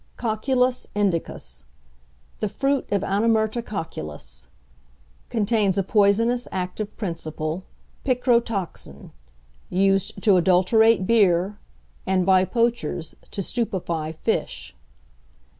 =Cocculus Indicus.= The fruit of Anamirta cocculus. Contains a poisonous active principle, picrotoxin; used to adulterate beer, and by poachers to stupefy fish.